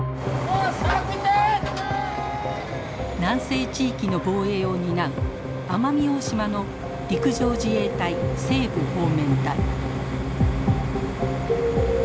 南西地域の防衛を担う奄美大島の陸上自衛隊西部方面隊。